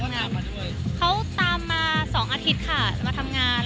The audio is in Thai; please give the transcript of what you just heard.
มีกันมา๒อาทิตย์ค่ะทำงาน